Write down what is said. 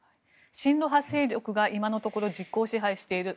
親ロシア派勢力が今のところ実効支配している。